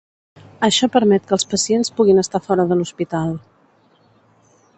Això permet que els pacients puguin estar fora de l'hospital.